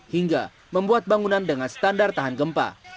hingga membuat bangunan dengan standar tahan gempa